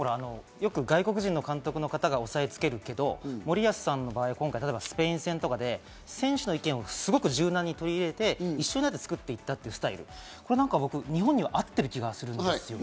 外国人の方が押さえつけるけど、森保さんの場合、今回スペイン戦とかで選手の意見を柔軟に取り入れて一緒になって作っていたというスタイル、日本には合ってる気がするんです。